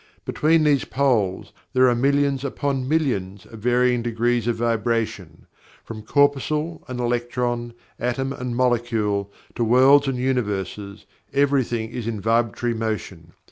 Between these poles, there are millions upon millions of varying degrees of vibration. From corpuscle and electron, atom and molecule, to worlds and universes, everything is in vibratory motion.